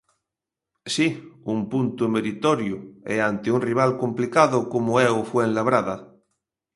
Si, un punto meritorio e ante un rival complicado, como é o Fuenlabrada.